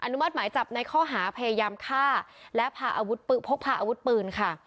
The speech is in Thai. นุมัติหมายจับในข้อหาพยายามฆ่าและพาอาวุธพกพาอาวุธปืนค่ะ